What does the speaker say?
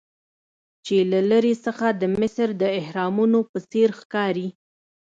چې له لرې څخه د مصر د اهرامونو په څیر ښکاري.